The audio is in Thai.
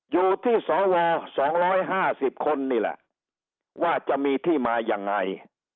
อยู่ที่สว๒๕๐คนนี่แหละว่าจะมีที่มายังไง